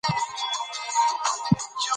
ګوره د نازنين پلاره ! بيا هم درته وايم.